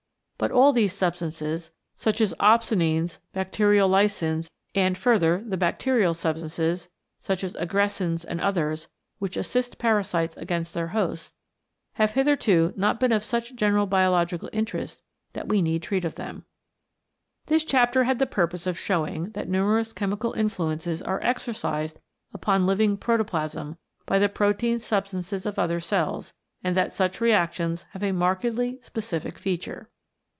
But all these substances, such as opsonines, bacteriolysins, and, further, the bacterial substances, such as aggressines and others, which assist parasites CHEMICAL ACTIONS: PROTOPLASM against their hosts, have hitherto not been of such general biological interest that we need treat of them. This chapter had the purpose of showing that numerous chemical influences are exercised upon living protoplasm by the protein substances of other cells, and that such reactions have a markedly specific feature.